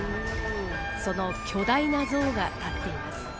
その巨大な像が立っています。